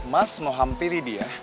mas mau hampiri dia